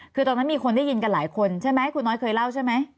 คือตอนนั้นมีคนได้ยินกันหลายคนใช่ไหมคุณน้อยเคยเล่าใช่ไหม